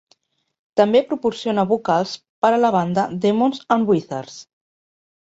També proporciona vocals per a la banda Demons and Wizards.